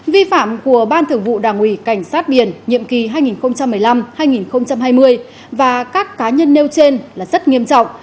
vi phạm của ban thường vụ đảng ủy cảnh sát biển nhiệm kỳ hai nghìn một mươi năm hai nghìn hai mươi và các cá nhân nêu trên là rất nghiêm trọng